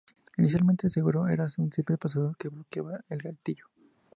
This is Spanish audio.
Inicialmente el seguro era un simple pasador que bloqueaba el gatillo.